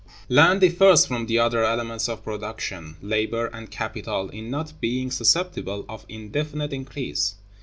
Land differs from the other elements of production, labor, and capital, in not being susceptible of indefinite increase.